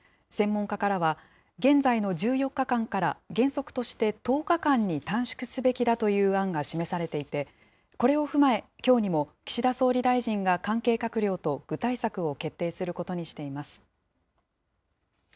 専門家からは、現在の１４日間から、原則として１０日間に短縮すべきだという案が示されていて、これを踏まえ、きょうにも岸田総理大臣が関係閣僚と具体策を決定することにしています。